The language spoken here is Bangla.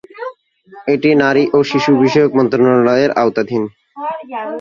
এটি নারী ও শিশু বিষয়ক মন্ত্রণালয়ের আওতাধীন।